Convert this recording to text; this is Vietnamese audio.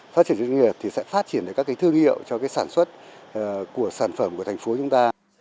phát triển chuyên nghiệp thì sẽ phát triển được các thương hiệu cho sản xuất của sản phẩm của thành phố chúng ta